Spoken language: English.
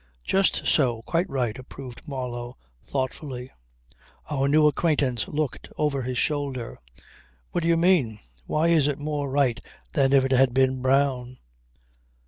"Just so. Quite right," approved Marlow thoughtfully. Our new acquaintance looked over his shoulder. "What do you mean? Why is it more right than if it had been Brown?"